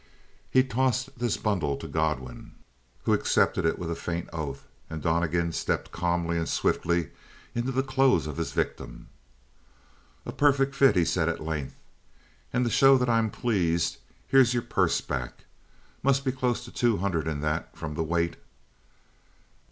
He tossed this bundle to Godwin, who accepted it with a faint oath; and Donnegan stepped calmly and swiftly into the clothes of his victim. "A perfect fit," he said at length, "and to show that I'm pleased, here's your purse back. Must be close to two hundred in that, from the weight."